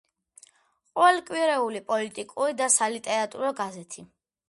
ყოველკვირეული პოლიტიკური და სალიტერატურო გაზეთი.